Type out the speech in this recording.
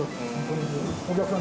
お客さん